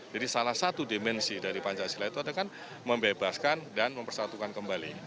jadi salah satu dimensi dari pancasila itu adalah kan membebaskan dan mempersatukan kembali